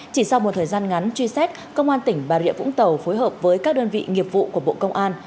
chỉ sau một thời gian ngắn truy xét công an tỉnh bà rịa vũng tàu phối hợp với các đơn vị nghiệp vụ của bộ công an